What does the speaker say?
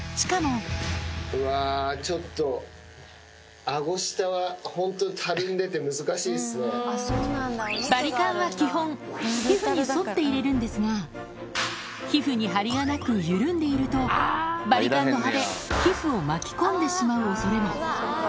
うわー、ちょっと、あご下は、バリカンは基本、皮膚に沿って入れるんですが、皮膚に張りがなく緩んでいると、バリカンの刃で皮膚を巻き込んでしまうおそれも。